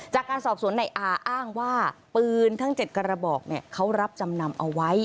จากการสอบสวนในอาอ้างว่าปืนทั้ง๗กระบอกเขารับจำนำเอาไว้